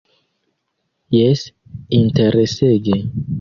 Jes, interesege.